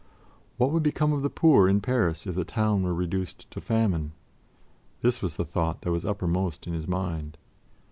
What would become of the poor in Paris if the town were reduced to famine? This was the thought that was uppermost in his mind.